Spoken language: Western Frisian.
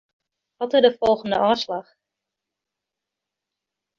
Wat is de folgjende ôfslach?